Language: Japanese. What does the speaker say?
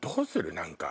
何か。